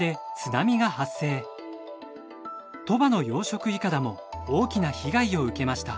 鳥羽の養殖いかだも大きな被害を受けました。